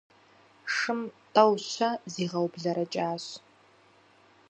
Шым тӀэу-щэ зигъэублэрэкӀащ.